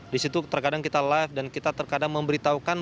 di situ terkadang kita live dan kita terkadang memberitahukan